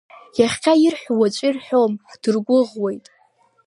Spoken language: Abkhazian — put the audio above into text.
Иахьа ирҳәо уаҵәы ирҳәом, ҳдыргәыӷуеит.